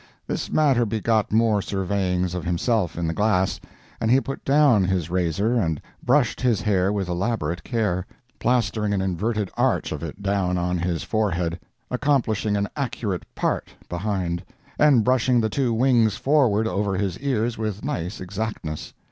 This matter begot more surveyings of himself in the glass, and he put down his razor and brushed his hair with elaborate care, plastering an inverted arch of it down on his forehead, accomplishing an accurate "part" behind, and brushing the two wings forward over his ears with nice exactness.